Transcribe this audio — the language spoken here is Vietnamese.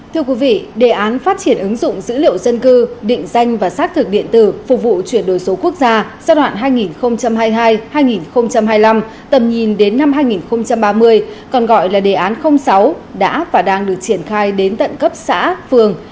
thưa quý vị đề án phát triển ứng dụng dữ liệu dân cư định danh và xác thực điện tử phục vụ chuyển đổi số quốc gia giai đoạn hai nghìn hai mươi hai hai nghìn hai mươi năm tầm nhìn đến năm hai nghìn ba mươi còn gọi là đề án sáu đã và đang được triển khai đến tận cấp xã phường